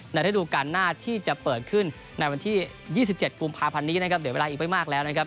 ในธุรการหน้าที่จะเปิดขึ้นในวันที่ยี่สิบเจ็ดภูมิภาพันธ์นี้นะครับเดี๋ยวเวลาอีกไปมากแล้วนะครับ